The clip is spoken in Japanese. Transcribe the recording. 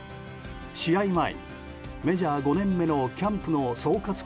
試合前にメジャー５年目のキャンプの総括